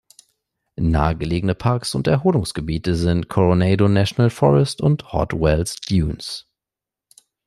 Nahe gelegene Parks und Erholungsgebiete sind Coronado National Forest und Hot Wells Dunes.